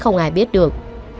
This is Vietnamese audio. không ai biết được